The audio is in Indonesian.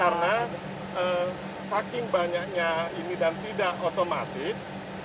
karena staking banyaknya ini dan tidak otomatis